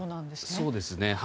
そうですね。